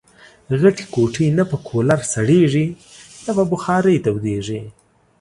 غټي کوټې نه په کولرسړېږي ، نه په بخارۍ تودېږي